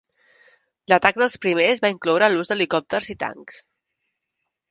L'atac dels primers va incloure l'ús d'helicòpters i tancs.